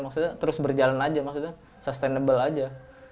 maksudnya terus berjalan aja maksudnya sustainable aja